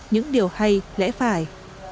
những điều hay lẽ phải